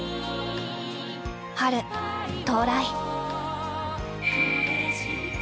春到来。